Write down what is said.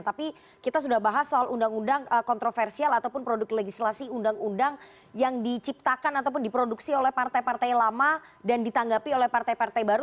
tapi kita sudah bahas soal undang undang kontroversial ataupun produk legislasi undang undang yang diciptakan ataupun diproduksi oleh partai partai lama dan ditanggapi oleh partai partai baru